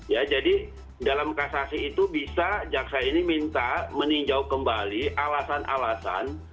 ya jadi dalam kasasi itu bisa jaksa ini minta meninjau kembali alasan alasan